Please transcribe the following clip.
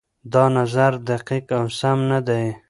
دا نظر دقيق او سم نه دی.